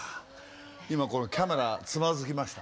今このキャメラつまづきました。